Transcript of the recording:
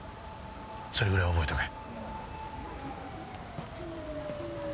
それぐらいは覚えておけ。